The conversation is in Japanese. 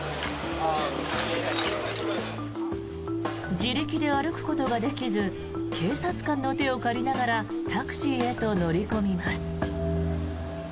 自力で歩くことができず警察官の手を借りながらタクシーへと乗り込みます。